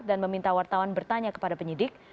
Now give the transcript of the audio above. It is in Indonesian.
dan meminta wartawan bertanya kepada penyidik